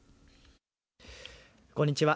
こんにちは。